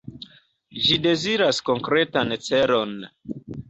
Ĝi deziras konkretan celon.